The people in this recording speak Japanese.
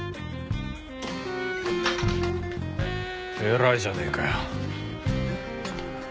偉いじゃねえかよ。